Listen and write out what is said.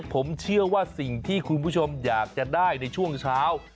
ผมเชื่อว่าสิ่งที่คุณผู้ชมอยากจะได้ในช่วงเช้า